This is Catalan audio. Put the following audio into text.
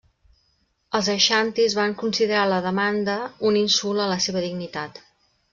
Els aixantis van considerar la demanda un insult a la seva dignitat.